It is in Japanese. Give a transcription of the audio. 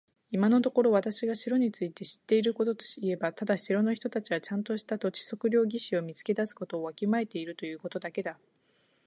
今のところ私が城について知っていることといえば、ただ城の人たちはちゃんとした土地測量技師を見つけ出すことをわきまえているということだけだ。